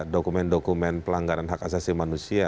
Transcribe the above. dokumen dokumen pelanggaran hak asasi manusia